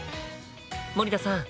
森田さん